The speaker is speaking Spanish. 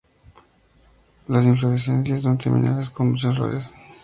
Las inflorescencias son terminales, con muchas flores.